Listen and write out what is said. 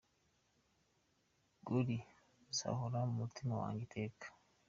Cory zahora mu mutima wanjye iteka.